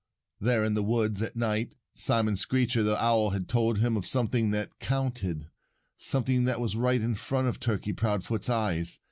There in the woods, at night, Simon Screecher the owl had told him of something that "counted," something that was right in front of Turkey Proudfoot's eyes.